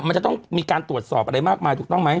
มันจะต้องมีการตรวจสอบอะไรมากมายถูกต้องไหม